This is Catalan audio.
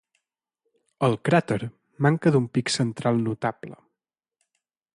El cràter manca d'un pic central notable.